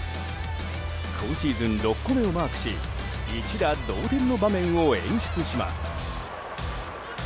今シーズン６個目をマークし一打同点の場面を演出します。